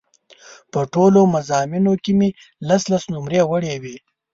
په ټولو مضامینو کې مې لس لس نومرې وړې وې.